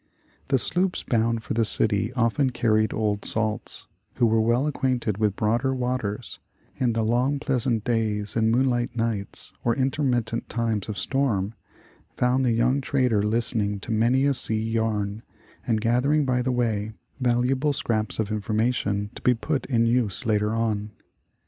The sloops bound for the city often carried old salts, who were well acquainted with broader wa ters, and the long pleasant days and moonlight nights, or intermittent times of storm, found the young trader listening to many a sea yarn, and gathering by the way, valuable scraps of information to be put in use later on.